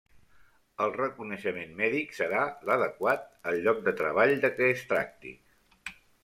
El reconeixement mèdic serà l'adequat al lloc de treball de què es tracti.